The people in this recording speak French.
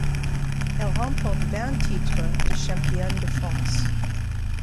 Elle remporte vingt titres de championne de France.